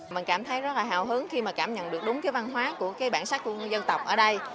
mình cảm thấy rất là hào hứng khi mà cảm nhận được đúng cái văn hóa của cái bản sắc của dân tộc ở đây